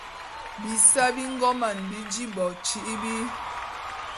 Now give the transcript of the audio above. Bisae bi ngoman bi nji bo tîbi.